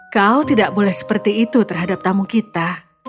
kau tidak boleh seperti itu terhadap tamu kita